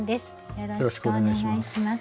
よろしくお願いします。